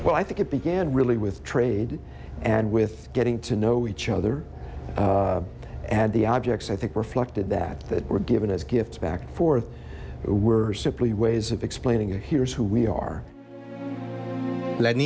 และนี่คือชะลองทุกคน